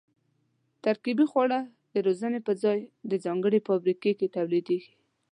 ترکیبي خواړه د روزنې په ځای او ځانګړې فابریکه کې تولیدېږي.